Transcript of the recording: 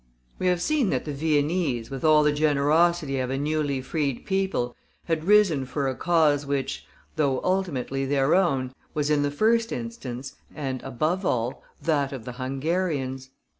We have seen that the Viennese, with all the generosity of a newly freed people, had risen for a cause which, though ultimately their own, was in the first instance, and above all, that of the Hungarians.